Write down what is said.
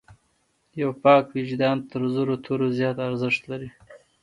یو پاک وجدان تر زرو تورو زیات ارزښت لري.